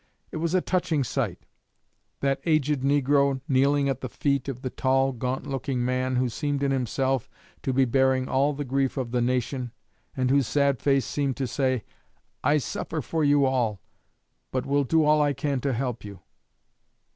It was a touching sight that aged negro kneeling at the feet of the tall, gaunt looking man who seemed in himself to be bearing all the grief of the nation, and whose sad face seemed to say, 'I suffer for you all, but will do all I can to help you.'